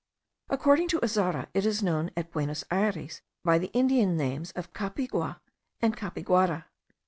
According to Azara, it is known at Buenos Ayres by the Indian names of capiygua and capiguara.